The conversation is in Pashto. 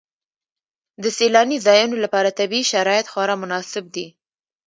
د سیلاني ځایونو لپاره طبیعي شرایط خورا مناسب دي.